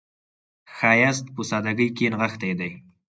ښایست په سادګۍ کې نغښتی دی